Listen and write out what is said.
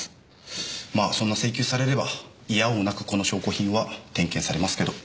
まあそんな請求されれば否応なくこの証拠品は点検されますけど。